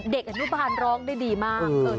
เด็กอนุบาลร้องได้ดีมาก